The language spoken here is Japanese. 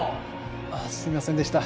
あっすみませんでした。